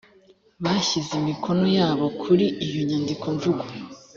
bashyize imikono yabo kuri iyo nyandikomvugo